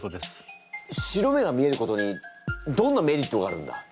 白目が見えることにどんなメリットがあるんだ？